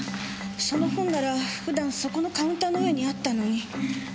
その本なら普段そこのカウンターの上にあったのに。